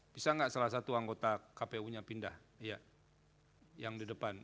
bisa nggak salah satu anggota kpu nya pindah yang di depan